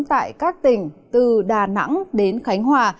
tại các tỉnh từ đà nẵng đến khánh hòa